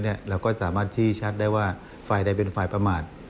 เราก็สามารถชี้ชัดได้ว่าฝ่ายใดเป็นฝ่ายประมาท